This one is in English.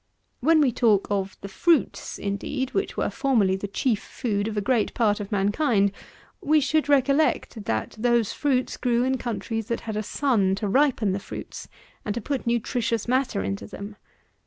When we talk of the fruits, indeed, which were formerly the chief food of a great part of mankind, we should recollect, that those fruits grew in countries that had a sun to ripen the fruits, and to put nutritious matter into them.